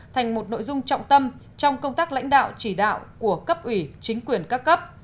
thành một nội dung trọng tâm trong công tác lãnh đạo chỉ đạo của cấp ủy chính quyền các cấp